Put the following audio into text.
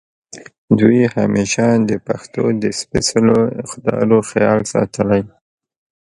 دوي همېشه د پښتو د سپېځلو اقدارو خيال ساتلے